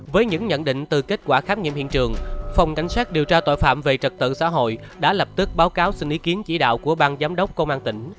với những nhận định từ kết quả khám nghiệm hiện trường phòng cảnh sát điều tra tội phạm về trật tự xã hội đã lập tức báo cáo xin ý kiến chỉ đạo của bang giám đốc công an tỉnh